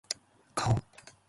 顔